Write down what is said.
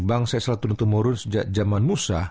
bangsa yesus telah turun turun sejak zaman musa